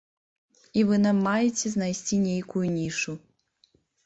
І вы нам маеце знайсці нейкую нішу.